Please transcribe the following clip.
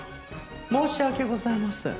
申し訳ございません。